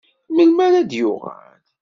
Melmi ara d-yuɣal?